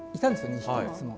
２匹がいつも。